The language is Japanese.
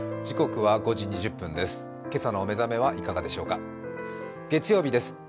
時刻は５時２０分です。